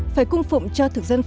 phải cung phụng cho thực dân pháp